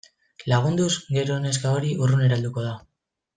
Lagunduz gero neska hori urrunera helduko da.